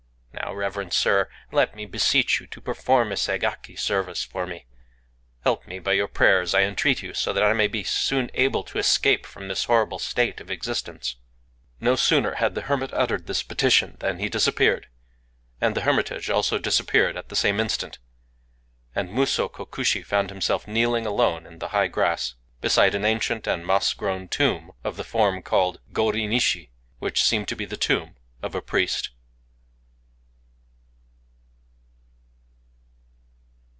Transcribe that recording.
Now, reverend Sir, let me beseech you to perform a Ségaki service for me: help me by your prayers, I entreat you, so that I may be soon able to escape from this horrible state of existence"... No sooner had the hermit uttered this petition than he disappeared; and the hermitage also disappeared at the same instant. And Musō Kokushi found himself kneeling alone in the high grass, beside an ancient and moss grown tomb of the form called go rin ishi, which seemed to be the tomb of a priest.